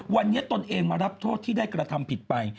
วันที่๗มีนาคมนี้